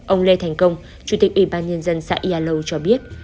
ông lê thành công chủ tịch ủy ban nhân dân xã yà lâu cho biết